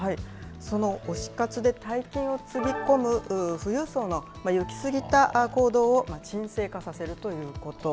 その推し活で大金をつぎ込む富裕層の行き過ぎた行動を沈静化させるということ。